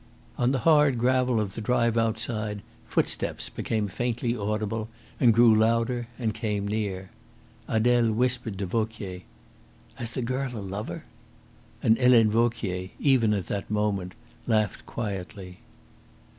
On the hard gravel of the drive outside footsteps became faintly audible, and grew louder and came near. Adele whispered to Vauquier: "Has the girl a lover?" And Helene Vauquier, even at that moment, laughed quietly.